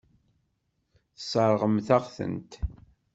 Tesseṛɣemt-aɣ-tent.